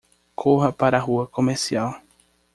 Corra para a rua comercial